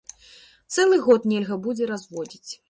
Цэлы год нельга будзе разводзіць.